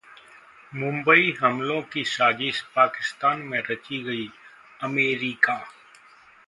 मुंबई हमलों की साजिश पाकिस्तान में रची गई: अमेरिका